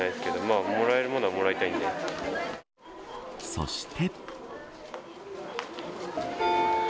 そして。